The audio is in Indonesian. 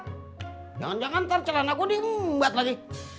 jangan jangan ntar celana gua dingbat lagi